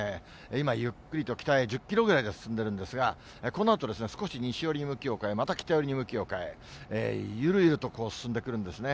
今ゆっくりと北へ、１０キロぐらいで進んでいるんですが、このあと少し西寄りに向きを変え、また北寄りに向きを変え、ゆるゆると進んでくるんですね。